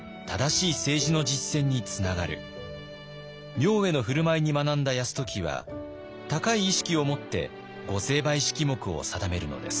明恵の振る舞いに学んだ泰時は高い意識を持って御成敗式目を定めるのです。